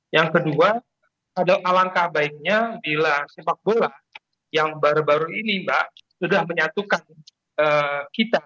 yang kedua ada alangkah baiknya bila sepak bola yang baru baru ini mbak sudah menyatukan kita